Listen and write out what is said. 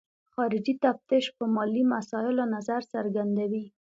خارجي تفتیش په مالي مسایلو نظر څرګندوي.